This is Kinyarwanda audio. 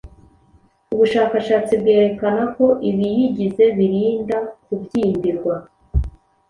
Ubushakashatsi bwerekana ko ibiyigize birinda kubyimbirwa,